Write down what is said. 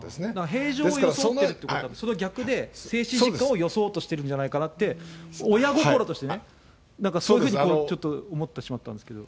平常を装ってるというのは、その逆で、精神疾患を装おうとしてるんじゃないかなと、親心としては、なんかそういうふうにちょっと思ってしまったんですけど。